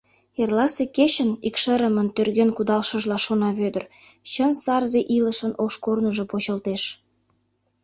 «Эрласе кечын, — икшырымын тӧрген кудалшыжла шона Вӧдыр, - чын сарзе илышын ош корныжо почылтеш...